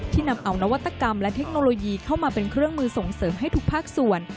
นำเอานวัตกรรมและเทคโนโลยีเข้ามาเป็นเครื่องมือส่งเสริมให้ทุกภาคส่วน